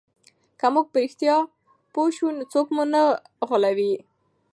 که موږ په رښتیا پوه سو نو څوک مو نه غولوي.